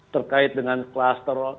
terkait dengan klaster